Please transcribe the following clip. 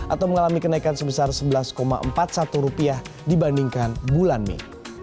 atau mengalami kenaikan sebesar rp sebelas empat puluh satu dibandingkan bulan mei